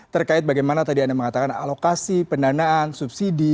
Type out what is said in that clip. terkait bagaimana tadi anda mengatakan alokasi pendanaan subsidi